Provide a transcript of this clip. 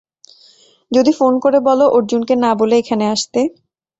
যদি ফোন করে বল, অর্জুনকে না বলে এখানে আসতে।